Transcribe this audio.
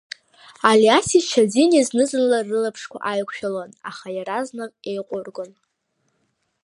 Алиаси Шьазинеи зны-зынла рылаԥшқәа ааиқәшәалон, аха иаразнак еиҟәыргон.